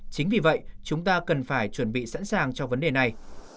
chính vì vậy chúng ta cần phải chuẩn bị sẵn sàng cho vấn đề này